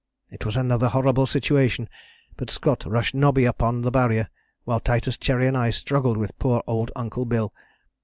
It was another horrible situation, but Scott rushed Nobby up on the Barrier, while Titus, Cherry and I struggled with poor old Uncle Bill.